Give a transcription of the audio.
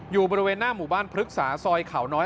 อยู่บริเวณหน้าหมู่บ้านพฤกษาซอยเขาน้อย